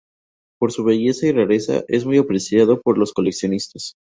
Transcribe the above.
Por su belleza y rareza es muy apreciado por los coleccionistas.